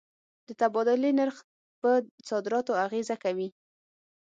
د تبادلې نرخ پر صادراتو اغېزه کوي.